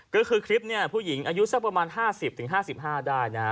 ก็คือคลิปนี้ผู้หญิงอายุสักประมาณ๕๐๕๕ได้นะฮะ